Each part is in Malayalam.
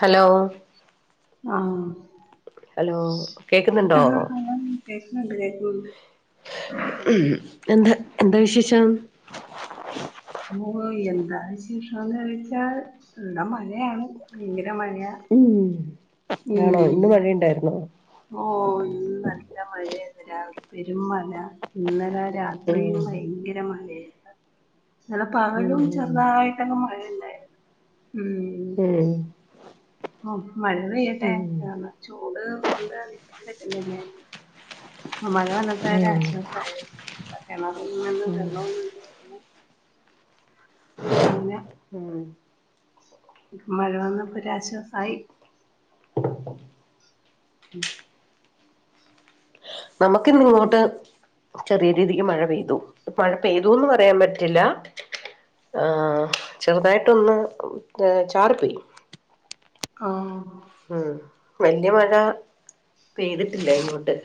ഹലോ ആഹ് ഹലോ കേക്കുന്നുണ്ടോ ഉണ്ട്േ ഉണ്ട് [unintelligible] ഉം എന്താ എന്താ വിശേഷം ഓ എന്താവിശേഷംന്ന് ചോദിച്ചാൽ ഇവിടെ മഴയാണ് മഴയാ ഉം ആണോ ഉം ഇന്ന് മഴയുണ്ടായിരുന്നോ ഓ ഇന്ന് നല്ല മഴയായിരുന്നു രാവിലെ പെരുമഴ ഇന്നലെ രാത്രിയും ഉം ഭയങ്കര മഴയാരുന്നു ചില ഉം പകലും ചെറുതായിട്ടൊക്കെ മഴയല്ല ഉം മഴ പെയ്യട്ടെ ഉം ചൂട് കൊണ്ട് നിക്കാൻ പറ്റുന്നില്ലേന്ന് [unintelligible] മഴ വന്നപ്പോ ഒരു ഉം ആശ്വാസ ആയെന്ന് േണന്ന് ഉം വരണ [unintelligible] ഉം മഴ വന്നപ്പൊരാശ്വാസായി ഉം നമക്കിന്ന് ഇങ്ങോട്ട് ചെറിയ രീതിക്ക് മഴ പെയ്തു മഴ പെയ്തൂന്ന് പറയാൻ പറ്റില്ല ആ ചെറുതായിട്ടൊന്ന് ചാറി പോയി ആഹ ഉം വലിയ മഴ പെയ്തിട്ടില്ല ഇങ്ങോട്ട്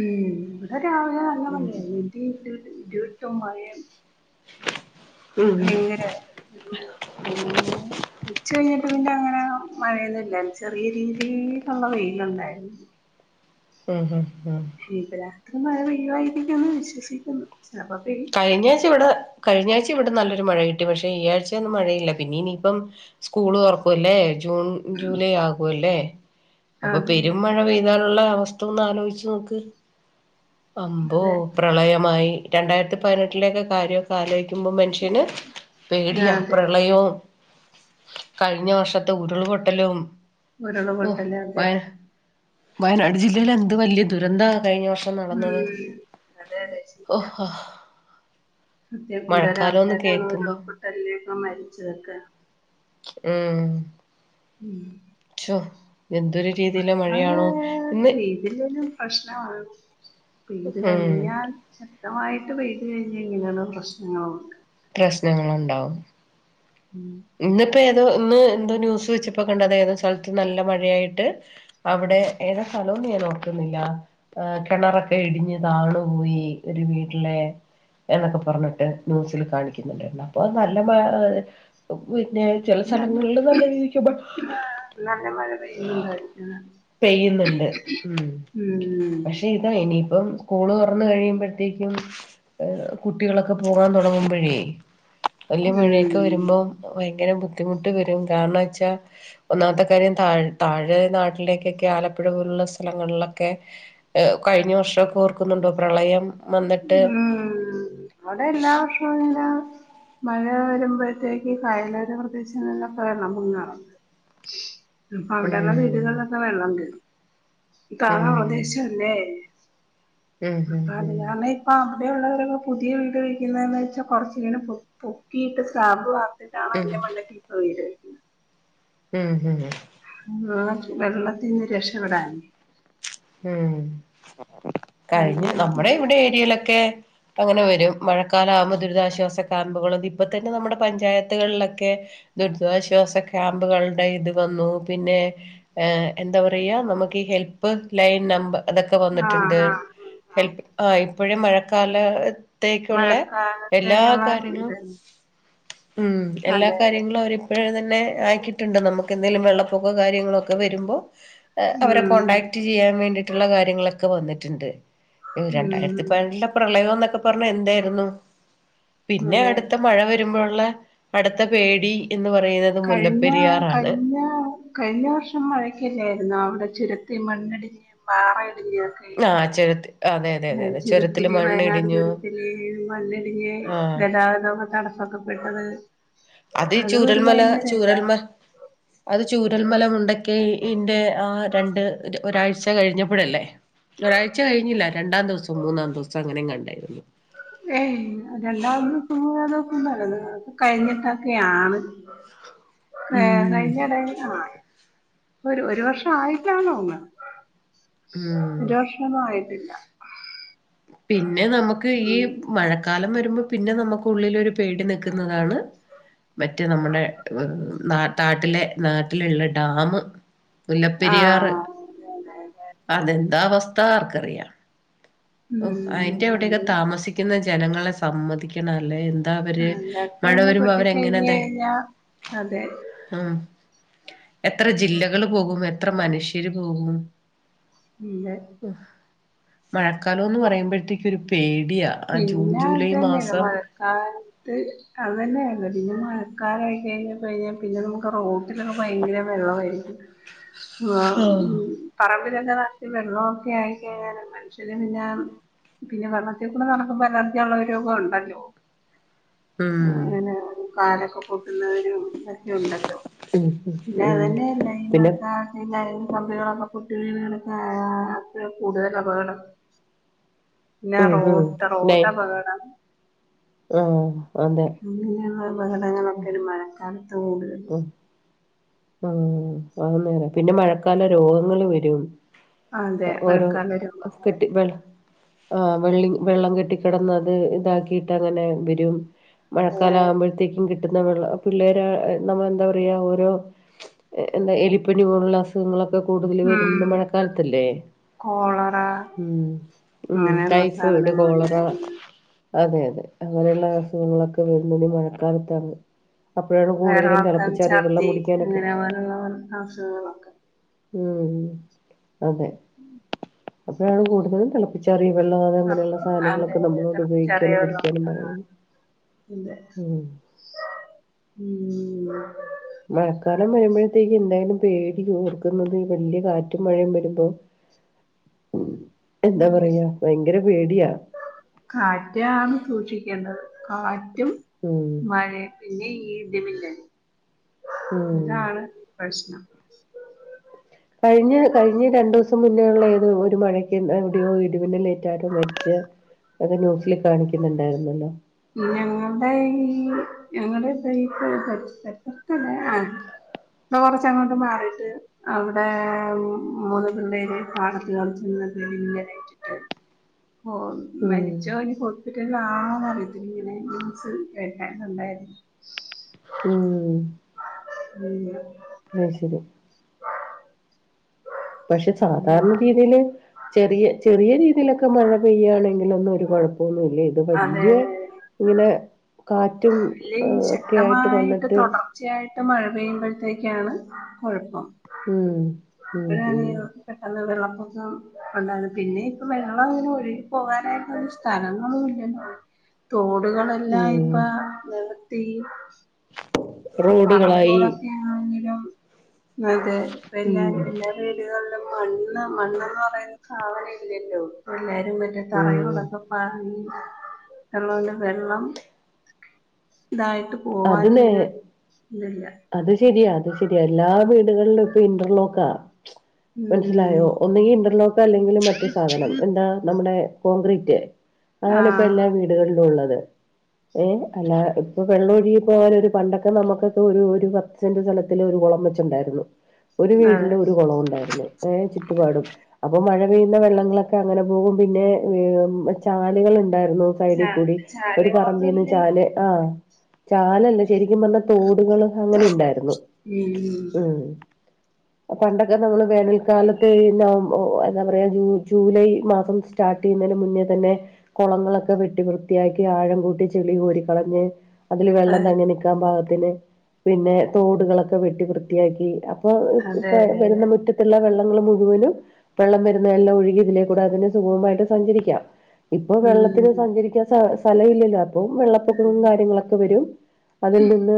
ഉം ഇവിടെ രാവിലെ നല്ല ഉം മഴയാണ് ഇടി ഇടിവെട്ടും മഴയും ഉം ഭയങ്കര ഒരു ഓ ഉച്ച കഴിഞ്ഞിട്ട് പിന്നെ അങ്ങന മഴയൊന്നുമില്ലാരുന്നു ചെറിയ രീതിയില് ഉള്ള വെയിലുണ്ടായിരുന്നു ആം ഹ [unintelligible] ഇനി ഇപ്പ രാത്രി മഴ പെയ്യുവായിരിക്കൂന്ന് വിശ്വസിക്കുന്നു ചിലപ്പോ പെയ്യും കഴിഞ്ഞാഴ്ച്ച ഇവിടെ കഴിഞ്ഞ ആഴ്ച ഇവിടെ നല്ലൊരു മഴ കിട്ടി പക്ഷെ ഈ ആഴ്ച ഒന്നും മഴയില്ല പിന്നെ ഇനിയിപ്പം സ്ക്കൂള് തുറക്കൂവലേ ജൂൺ ജൂലൈ ആകുംല്ലേ അപ്പൊ അതെ പെരുംമഴ പെയ്താലുള്ള ഒന്ന് ആലോചിച്ച് നോക്ക് അംബോ അതെ അതെ പ്രളയമായി രണ്ടായിരത്തി പതിനെട്ടിലൊക്കെ കാര്യമൊക്കെ ആലോചിക്കുമ്പോൾ മനുഷ്യന് പേടിയാ അതെ അതെ പ്രളയവും കഴിഞ്ഞ വർഷത്തെ ഉരുൾപൊട്ടലും ഉരുള ഓ പൊട്ടല്ലേ അതെ വയ വയനാട് ജില്ലയില്ല് എന്ത് വലിയ ദുരന്ത കഴിഞ്ഞ വർഷം നടന്നത് ഉം അതെ അതെ ഓഹ അത്യ എന്തൊരു ആൾക്കാരാണ് കേൾക്കുമ്പോ ഉരുൾപൊട്ടലൊക്കെ മരിച്ചതൊക്കെ ഉം ഉ ശോ എന്തൊരു രീതിയിലെ അ മഴയാണോ ഇന്ന് രീതിൽന്ന [unintelligible] പ്രശ്നമാണ് ഇത് ഉം കഴിഞ്ഞാൽ ശക്തമായിട്ട് പെയ്ത് കഴിഞ്ഞ ഇങ്ങനെയുള്ള പ്രശ്നങ്ങളുണ്ട് പ്രശ്നങ്ങളുണ്ടാവും ഉം ഇന്നിപ്പ ഇന്ന് എന്തോ ന്യൂസ് വെച്ചപ്പാ കണ്ടത ഏതോ സ്ഥലത്തും നല്ല മഴയായിട്ട് അവിടെ ഏതാ സ്ഥലം ഇന്ന് ഞാൻ ഓർക്കുന്നില്ല ആ കിണറൊക്കെ ഇടിഞ്ഞ് താണുപോയി ഒരു വീട്ടിലെ എന്നൊക്കെ പറഞ്ഞിട്ട് ന്യൂസിൽ കാണിക്കുന്നുണ്ടാരുന്നു അപ്പൊ നല്ല [unintelligible] [unintelligible] ന്നെ ചെല സ്ഥലങ്ങളില് നല്ല രീതിക്കു [inaudible] നല്ല മഴ പെയ്യുന്നുണ്ടായിരിക്കും പെയ്യുന്നുണ്ട്. ഉം. ഉം പക്ഷെ, ഇതാ ഇനിയിപ്പം സ്ക്കൂള് തുറന്ന് കഴിയുമ്പോഴത്തേക്കും, കുട്ടികളൊക്കെ പോകാൻ തുടങ്ങുമ്പോഴേ വലിയ ഉം മഴയൊക്കെ വരുമ്പോ, ഭയങ്കര ബുദ്ധിമുട്ട് വരും. കാരണം ച്ചാൽ, ഒന്നാമത്തെ കാര്യം താഴ് താഴെ നാട്ടിലേക്കൊക്കെ ആലപ്പുഴ പോലുള്ള ഉള്ള സ്ഥലങ്ങളിലൊക്കെ കഴിഞ്ഞ വർഷൊക്കെ ഓർക്കുന്നുണ്ടോ? പ്രളയം വന്നിട്ട് ഉം. അവിടെ എല്ലാ [unintelligible] മഴ വരുമ്പോഴത്തേക്ക് കയലോര പ്രദേശങ്ങളിലൊക്കെ വേണം [unintelligible] അപ്പൊ അവിടെള്ള ഉം വീടുകളിലൊക്കെ വെള്ളം [unintelligible] താന്ന ഉം പ്രദേശല്ലേ! ഉം ഹം ഉം. അവിടെ ഉള്ളവരൊക്കെ പുതിയ വീട് വയ്ക്കുന്നതെങ്ങനെന്ന് വെച്ചാൽ കൊറച്ങ്ങനെ പൊക്കീട്ട് സ്ലാബ് വർത്തിട്ട് [inaudible] ഉം [unintelligible] ന്റെ മണ്ടത്തിൽ പോയത്? ഉം ഹും. ആ. വെള്ളത്തിൽന്ന് രക്ഷപ്പെടാൻ. ഉം. കഴിഞ്ഞ അങ്ങനെ നമ്മുടെ ഇവിടെ ഏരിയയിലൊക്കെ- അങ്ങനെ വരും. മഴക്കാലം ആവുമ്പോ ദുരിതാശ്വാസ ക്യാമ്പുകളും, ഇപ്പൊ തന്നെ നമ്മുടെ പഞ്ചായത്തുകളിലൊക്കെ- ദുരിതാശ്വാസ ക്യാമ്പുകളുടെ ഇത് വന്നു പിന്നെ, എന്താ പറയാ [unintelligible] ഓക്കെ. ഹെൽപ്പ്. ലൈൻ നമ്പർ അതൊക്കെ ആഹ് വന്നിട്ടുണ്ട്. ആഹ് ഹെൽപ് ആ ഇപ്പോഴും മഴക്കാല ത്തേക്കുള്ള എല്ലാ മഴക്കാലത്തേക്കുള്ള കാര്യങ്ങളും. ഇത് ഉം. എല്ലാ അതെ കാര്യങ്ങളും അവരിപ്പോയെ തന്നെ ആക്കിയിട്ടുണ്ട് നമുക്ക്. എന്തങ്കിലും വെള്ളപ്പൊക്കോ കാര്യങ്ങളൊക്കെ വരുമ്പോൾ അവരെ ഉം കോണ്ടടാക്ട്- ചെയ്യാൻ വേണ്ടിട്ടുള്ള കാര്യങ്ങളൊക്കെ വന്നിട്ടുണ്ട്. രണ്ടായിരത്തി പയ്നെട്ടിലെ ഉം പ്രളയംന്നൊക്കെ പറഞ്ഞ എന്തായിരുന്നു!. പിന്നെ, അതെ അടുത്ത മഴ വരുമ്പോ ഉള്ളെ അടുത്ത പേടി എന്ന് പറയുന്നത് കഴിഞ്ഞ, മുല്ലപ്പെരിയാറാണ് കഴിഞ്ഞ, കഴിഞ്ഞ വർഷം മഴക്കല്ലായിരുന്നോ അവിടെ? ചുരത്തി മണ്ണിടിഞ് പാറ [unintelligible] ആ ചേർത്ത്. ചുരത്തില്, വയനാട് ചുരത്തില് മണ്ണിടിഞ് ആ ഗതാഗതം തടസ്സൊക്കെപ്പെട്ടത്. അത് ചൂരൽമല, ചൂരൽമ അത്- ചൂരൽമല, മുണ്ടക്കൈ ഇന്റെ ആ രണ്ട് ഒരാഴ്ച കഴിഞ്ഞപ്പോഴല്ലേ? ഒരാഴ്ച കഴിഞ്ഞില്ല, രണ്ടാം ദിവസം, മൂന്നാം ദിവസം അങ്ങനെ എങ്ങാണ്ടായിരുന്നു. ഏയ്, [unintelligible] കഴിഞ്ഞിട്ടൊക്കെയാണ്. [unintelligible] ഏ [unintelligible] ഉം ഒരു ഒരു വർഷ ആയിട്ടാണോ ഒന്ന്? ഉം ഒരു വർഷം ഒന്നും ആയിട്ട [inaudible] ഇല്ല. പിന്നെ നമുക്ക് ഈ മഴ മഴക്കാലം വരുമ്പോ, പിന്നെ നമുക്ക് ഉള്ളിൽ ഒരു പേടി നൽക്കുന്നതാണ് [inaudible] മറ്റെ നമ്മുടെ ർ ന നാട്ടിലെ, നാട്ടിലുള്ള ഡാമ്. മുല്ലപ്പെരിയാറ്, ആഹ് അതെ അതെ അതെ അതെന്താ അവസ്ഥ? ആർക്കറിയാം!. ഓ, അയിന്റെ അവിടെയൊക്കെ അതെ. ഉം അത് താമസിക്കുന്ന ജനങ്ങളെ സമ്മതിക്കണം അല്ലേ? [unintelligible] അവര്. അതൊക്കെ മഴ ഒന്ന് വരുമ്പോ പൊട്ടിക്കഴിഞ്ഞ് അവരെങ്ങനെ കഴിഞ്ഞാ അതെ [unintelligible] എത്ര ജില്ലകള് പോകും? എത്ര മനുഷ്യര് പോകും? [unintelligible] മഴക്കാലം എന്ന് പറയുമ്പോഴത്തേക്ക് ഒരു പേടി. പിന്നെ അതന്നെയാണ്. മഴക്കാലത്ത് അത് തന്നെയാണ്. പിന്നെ മഴക്കാലായി കഴിഞ്ഞാൽ [unintelligible] പിന്നെ നമുക്ക് റോട്ടിലൊക്കെ ഭയങ്കര വെള്ളംമായിരിക്കും. ആ ആഹ് പറമ്പിൽ ക്കെ വെള്ളൊക്കെ ആയിഴിഞ്ഞാലും മനുഷ്യന് പിന്ന പിന്നെ വെള്ള നടക്കുമ്പോൾ അലലർജി ഉള്ള രോഗം ഉണ്ടല്ലോ ഉം അങ്ങനെ കാടൊക്കെ കൂട്ടുന്നവര ഉണ്ടല്ലോ ഉം ഉം പിന്നെ ഉം അതെന്നെ. പിന്നെ [unintelligible] [unintelligible] ആ കൂടുതൽ അബകടം ഉം ഉം റോട്ട റോട്ട പകടാ ആ. [unintelligible] പകടങ്ങളൊക്കേണ് മഴക്കാലത്ത് കൂടുതൽ ആ ആന്നേരം പിന്നെ മഴക്കാല രോഗങ്ങള് വരും. അതെ ഓരോ മഴക്കാലം വരുമ്പോ കെട്ടി വേള. ആ വെള്ളി വെള്ളം കെട്ടിക്കെടന്നത് ഇതാക്കിയിട്ട് അങ്ങനെ വരും. മഴക്കാല അതെ ആകുമ്പോഴത്തേക്കും കിട്ടുന്നവെള്ള പിള്ളേർ നമ്മള എന്താ പറയാ ഓരോ എന്താ എലിപ്പനി പോലുള്ള അസുഖങ്ങളൊക്കെ കൂടുതൽ ഉം വരുന്നത് മഴക്കാലത്തല്ലേ കോളറ ഉം. ഉം അങ്ങനെയുള്ള ടൈഫോയിഡ് സാധനങ്ങളൊക്കെ കോളറ. അതെ അതെ അങ്ങനെയുള്ള അസുഖങ്ങളൊക്കെ വരുന്നത് മഴക്കാലത്താണ്. അപ്പോഴാണ് കൂടുതലും വയറിളക്കം തിളപ്പിച്ചറിയ വെള്ളം ഛർദി കുടിക്കാനൊക്കെ [unintelligible] അസുഖങ്ങളൊക്കെ. ഉം അതെ. [inaudible] അപ്പഴാണ് കൂടുതലും തിളപ്പിച്ചാറിയ വെള്ളം അതം അങ്ങനെയുള്ള അപ്പൊ അതെ സാധനങ്ങളൊക്കെ അതെ നമ്മളോട് തിളപ്പിച്ചാറിയ പയോഗിക്കാനും വെള്ളം കുടിക്കാനും ആ, പറയയുന്നത്. [inaudible] മഴക്കാലം വരുമ്പോഴത്തേക്ക് എന്തായാലും പേടി ഓർക്കുന്നത് വല്ല്യ കാറ്റും മഴയും വരുമ്പോ. എന്താ അ പറയാ ഭയങ്കര പേടിയാ കാറ്റാണ് സൂക്ഷിക്കേണ്ടത്. കാറ്റും ഉം മഴ പിന്നെ ഈ. ഉം ഇതാണ് പ്രശ്നം. കഴിഞ്ഞ കഴിഞ്ഞ രണ്ടുദിവസം മുന്നേള്ള ഏത് ഒരു മഴയ്ക്ക് എവിടെയോ ഇടിമിന്ന ലേറ്റ ആരൊ മരിച്ച്. അത് ന്യൂസില് കാണിക്കുന്നുണ്ടായിര്ന്നല്ലോ. ഞങ്ങളുടേയ് ഞങ്ങള്. [unintelligible] ഇടെ കൊറച്ചങ്ങോട്ട് മാറിട്ട് അവിടേ മൂന്ന് പിള്ളേര് പാടത്ത് കളിച്ച് ഉം മരിച്ചോ ഇനി ഹോസ്പിറ്റലിആണോ ങ്ങനെന്യൂസ് എട്ടായി കണ്ടായിരുന്നു. ഉം. ഉം. അ ശരി. പക്ഷെ സാധാരണ രീതിൽ ചെറിയ ചെറിയ രീതിയിലൊക്കെ മഴ പെയ്യാണെങ്കിൽ ഒന്നു ഒരു കൊഴ ന്നല്ലേ ഇത് അതെ വല്ല്യയ ഇങ്ങനെ കാറ്റും ഇല്ല ആ, ഒക്കെ ആയിട്ട് ശക്തമായിട്ട് വന്നിട്ട് തുടർച്ചയായിട്ട് മഴ പെയ്യുമ്പോഴത്തേക്കാണ് കുഴപ്പം. ഉം. ഉം പ്പഴാണ് ഉം പെട്ടെന്ന് വെള്ളപ്പൊക്കം ഉണ്ട പിന്നെ ഇപ്പ വെള്ളം അങ്ങനെ ഒഴുകി പോകാനായിട്ട സ്ഥലങ്ങളും ഇല്ലല്ലോ. തോടുകളെല്ലാം ഇപ്പ ഉം നിർത്തി. റോഡുകളായി പറമ്പോളൊക്കെ ആണെങ്കിലും. അതെ എല്ലാ ഉം എല്ലാ വീടുകളിലും മണ്ണ് മണ്ണെന്ന് പറയുന്ന സാധനം യില്ലല്ലോ. എല്ലരും മറ്റ ഉം തറയോടൊക്കെ പറന്ന് [unintelligible] വെള്ളം ഇതായിട്ട് അത് പോവാൻ ഒരു ഇല്ലല്ല. ശരി അത് ശരിയാ എല്ലാ വീടുകളിലും ഇപ്പൊ ഇന്റർലോക്കാ ഉം മനസ്സിലായോ ഒന്നെങ്കി ഇന്റർലോക്ക് അല്ലെങ്കിലിൽ മറ്റേ സാധനം എന്താ നമ്മുടെ കോൺക്രേറ്റ് അതാണ് ഇപ്പോ ആഹ് എല്ലാ വീടുകളിലും ഉള്ളത്. ഏ അല്ല ഇപ്പൊ വെള്ള പോകൻ ഒരു പണ്ടൊക്കെ നമുക്കൊക്കെ ഒരു ഒരു പത്ത് സെന്റ് സ്ഥലത്തില് ഒരു കുളം വെച്ചുണ്ടായിരുന്നു ഒരു അതെ വീട്ടില് ഒരു കുളവും ഉണ്ടായിരുന്നു ഏ ചുറ്റുപാടും അപ്പൊ മഴ വെള്ളങ്ങളൊക്കെ അങ്ങനെ പോവും പിന്നെ ചാലുകൾ ഇ ണ്ടായിരുന്നു സൈഡിൽ കൂടി ഒരു ചാലുകളൊന്നും പറമ്പിന്ന് ഇല്ലല്ലോ ചാല് ആ ചാലല്ല ശരിക്കും പറഞ്ഞാ തോടുകൾ അങ്ങനെ ഇണ്ടായിരുന്നു ഉം ഉം പണ്ടൊക്കെ നമ്മള് വേനൽക്കാലത്ത് നവ എന്താ പറയാ ജൂലൈ മാസം സ്റ്റാർട്ട് കട്ടിയുന്നതിന് മുന്നേ തന്നെ കുളങ്ങളൊക്കെ വെട്ടി വൃത്തിയാക്കി ആഴം കൂട്ടി ചെളി കോരിക്കളഞ്ഞ് അതില് വെള്ളം അതെ തങ്ങി നിക്കാൻ പാകത്തിന് പിന്നെ തോടുകളൊക്കെ വെട്ടി വൃത്തിയാക്കി അതെ ഇപ്പം അതെ വരുന്ന അതെ മുറ്റത്തുള്ള വെള്ളം മുഴുവനും വെള്ളം വരുന്നത് എല്ലാം ഒഴുകി ഇതിലേ കൂടെ അതിന് സുഗമമായിട്ട് സഞ്ചരിക്കാം ഇപ്പൊ വെള്ളത്തിന് ഉം സഞ്ചരിക്കൻ സ്ഥല ഇല്ലല്ലോ അപ്പം വെള്ളപ്പൊക്കും കാര്യങ്ങളൊക്കെ ര അതിൽ നിന്ന്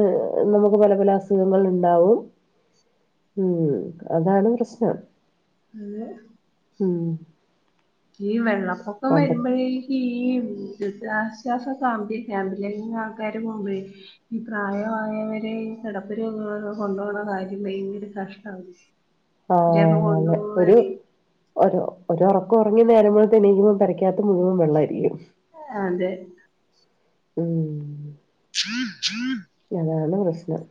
നമുക്ക് പല പല അസുഖങ്ങൾ ഇണ്ടാവും ഉം അതാണ് പ്രശ്നം അതെ ഉം ഈ വെള്ളപ്പൊക്കം പണ്ട വരുമ്പോഴേക്ക് ഈ ദുരിതാശ്വാസ ക്യാമ്പിലെ ആൾക്കാർ മുമ്പേ ഈ പ്രായമായവരെ കിടപ്പ് രോഗികളെ കൊണ്ടു പോകണ കാര്യം ഭയങ്കര കഷ്ട ണ് ആ അതെ ഒരു ഉറപ്പ് ക്കേ ഉറങ്ങി നേരം വെളുത്തു എണീക്കുമ്പോ പെരക്കകത്ത് മുഴുവൻ വെള്ളം ആയിരിക്കും അതെ ഉം [inaudible] അതാണ് പ്രശ്നം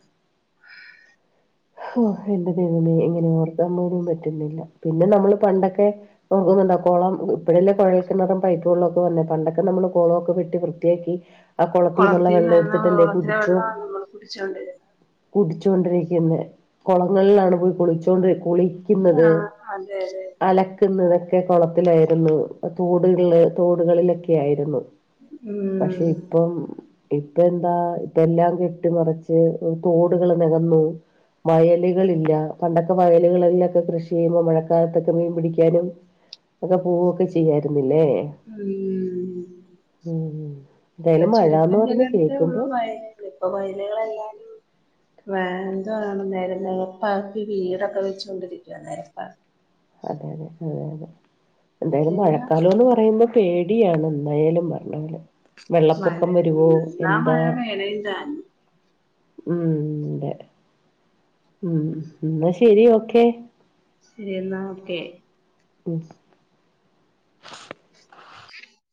എന്റെ ദൈവമേ എങ്ങനെ ഓർത്താൻ പോലും പറ്റുന്നില്ല പിന്നെ നമ്മള് പണ്ടൊക്കെ ഓ കൊളം ഇപ്പഴല്ലേ കുഴൽക്കിണറും പൈപ്പ് വെളളം ഒക്കെ വന്നേ പണ്ടൊക്കെ നമ്മള് കൊളമൊക്കെ വെട്ടി വൃത്തിയാക്കി ആ കുളത്തിന്നുള്ള വെള്ളം കുളത്തിന്നാണ് എടുത്തിട്ടല്ലേ കുളത്തിലെ കുടിച്ചോ വെള്ളമാണ് നമ്മൾ കുടിച്ചോണ്ടിരുന്നത് കുടിച്ചുകൊണ്ടിരിക്കുന്നത് കുളങ്ങളിലാണ് പോയി കുളിച്ചോണ്ട് കുളിക്കുന്നത് ആഹ് അതെ അതെ അലക്കുന്നത് ക്കെ ഒക്കെ കുളത്തിലായിരുന്നു തോടില് തോടുകളിലൊക്കെ ആയിരുന്നു ഉം പക്ഷെ ഇപ്പം ഇപ്പ എന്താ ഇപ്പ എല്ലാം കെട്ടി മറച്ച് തോടുകൾ നികന്നു വയലുകളില്ല പണ്ടൊക്കെ വയലുകളിലൊക്കെ കൃഷി ചെയ്യുമ്പോ മഴക്കാലത്തൊക്കെ മീൻ പിടിക്കാനും എക്കെ പോവൊക്കെ ചെയ്യായിരുന്നു ഉം ഉം ഇപ്പ എന്തായാലും മഴന്ന് ചുരുക്കന്റെ പറഞ്ഞ് ചെലടത്തെ ഉള്ളൂ കേൾക്കുമ്പോ വയലുകൾ ഇപ്പ വയലുകൾ എല്ലാം വേന്തണ നേരം നേപ്പ വീടൊക്കെ വെച്ച കൊണ്ടിരിക്കവാ നേരപ്പ അതെ അതെ അതെ അതെ എന്തായാലും പിന്നെ മഴക്കാലംന്ന് പറയുമ്പം പേടിയാണ് എന്നായാലും വരണവല്ലോ മഴ വെള്ളപ്പൊക്കം വരുവോ എന്നാ എന്താ മഴ വേണേം താനും ഉം ഉം എന്ന ശരി ഓക്കെ ശരി എന്നാ ഓക്കെ ഉം [unintelligible]